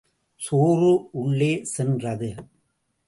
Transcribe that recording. சோறு உள்ளே சென்றது.